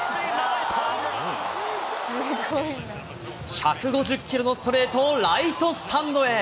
１５０キロのストレートをライトスタンドへ。